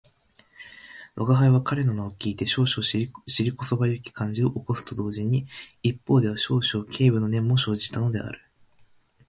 吾輩は彼の名を聞いて少々尻こそばゆき感じを起こすと同時に、一方では少々軽侮の念も生じたのである